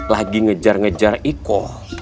lagi ngejar ngejar iko